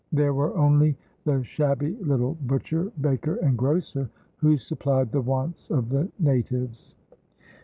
There were only the shabby little butcher, baker, and grocer, who supplied the wants of the natives.